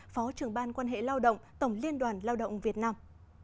phó trưởng ban quan hệ lao động tổng liên đoàn lao động việt nam